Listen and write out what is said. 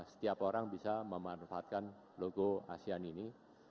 setiap orang bisa memanfaatkan logo asean ini